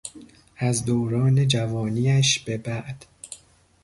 از دوران جوانیش به بعد